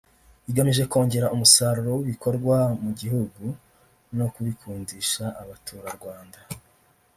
igamije kongera umusaruro w’ibikorerwa mu gihugu no kubikundisha Abaturarwanda